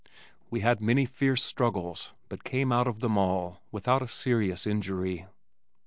We had many fierce struggles but came out of them all without a serious injury.